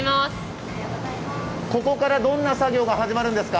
ここからどんな作業が始まるんですか？